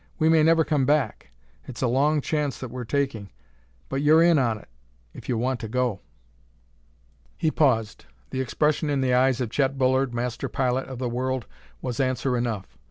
We may never come back it's a long chance that we're taking but you're in on it, if you want to go...." He paused. The expression in the eyes of Chet Bullard, master pilot of the world, was answer enough.